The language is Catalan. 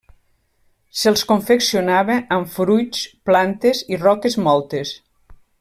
Se'ls confeccionava amb fruits, plantes i roques mòltes.